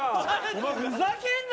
お前ふざけんな！